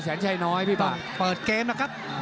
แสนใจน้อยต้องเปิดเกมนะครับ